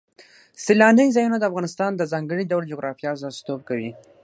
سیلانی ځایونه د افغانستان د ځانګړي ډول جغرافیه استازیتوب کوي.